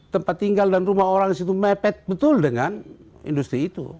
tempat tinggal dan rumah orang di situ mepet betul dengan industri itu